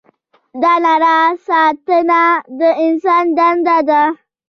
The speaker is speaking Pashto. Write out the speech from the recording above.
د رڼا ساتنه د انسان دنده ده.